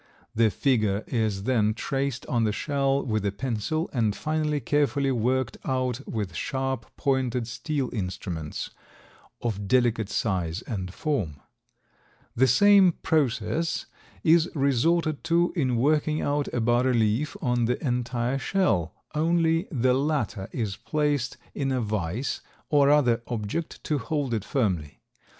The figure is then traced on the shell with a pencil and finally carefully worked out with sharp, pointed steel instruments, of delicate size and form. The same process is resorted to in working out a bas relief on the entire shell, only the latter is placed in a vice or other object to hold it firmly.